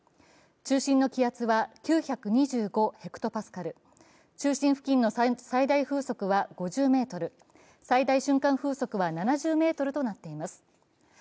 中心の気圧は９２５ｈＰａ、中心付近の最大風速は５０メートル、最大瞬間風速は７０メートルとなっています。